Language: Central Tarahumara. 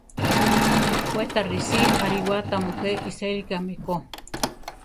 We ta risí ariwa tamujé isélikame ko.